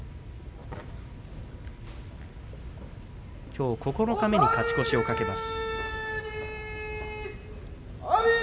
きょう九日目に勝ち越しを懸けます。